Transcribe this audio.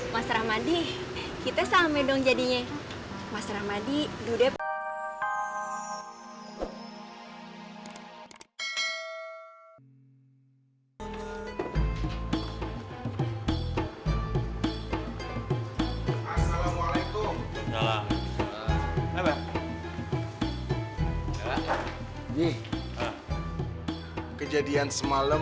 mas rahmadi kita sama dong jadi anak anak jalan jalan